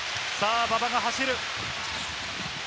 馬場が走る。